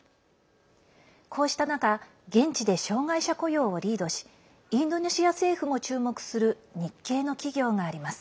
こうした中現地で障害者雇用をリードしインドネシア政府も注目する日系の企業があります。